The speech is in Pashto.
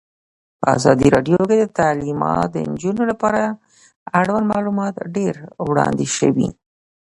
په ازادي راډیو کې د تعلیمات د نجونو لپاره اړوند معلومات ډېر وړاندې شوي.